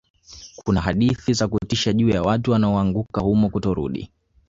kuna hadithi za kutisha juu ya watu wanaoanguka humo kutorudi